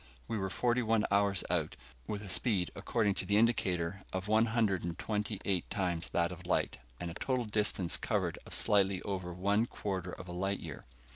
We were forty one hours out, with a speed, according to the indicator, of one hundred and twenty eight times that of light, and a total distance covered of slightly over one quarter of a light year.